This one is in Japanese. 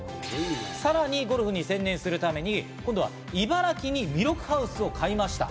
さらにゴルフに専念するために今度は茨城に弥勒ハウスを買いました。